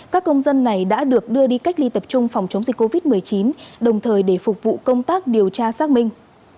các công dân này đã được đưa đi cách ly tập trung phòng chống dịch covid một mươi chín đồng thời để phục vụ công tác điều tra xác minh